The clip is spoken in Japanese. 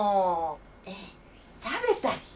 えっ食べたっけ？